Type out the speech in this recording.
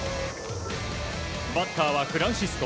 バッターはフランシスコ。